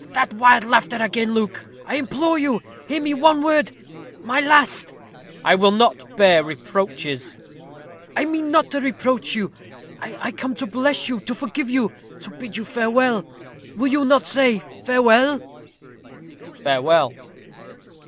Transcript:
"That wild laughter again. Luke, I implore you, hear me one word my last " "I will not bear reproaches." "I mean not to reproach you. I come to bless you to forgive you to bid you farewell. Will you not say farewell?" "Farewell."